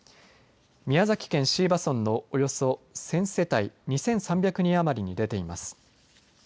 宮崎県椎葉村のおよそ１０００世帯２３００人余りに出ています。